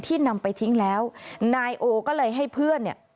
นำไปทิ้งแล้วนายโอก็เลยให้เพื่อนเนี่ย